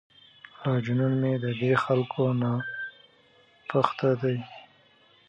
لا جنون مې ددې خلکو ناپخته دی.